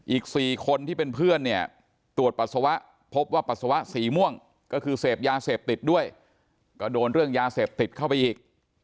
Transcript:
อีก๔คนที่เป็นเพื่อนเนี่ยตรวจปัสสาวะพบว่าปัสสาวะสีม่วงก็คือเสพยาเสพติดด้วยก็โดนเรื่องยาเสพติดเข้าไปอีก